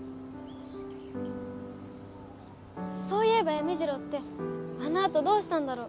そういえばヤミジロウってあの後どうしたんだろう？